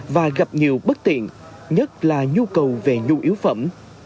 và gặp nhiều bất tiện nhất là nhu cầu về nhu yếu phẩm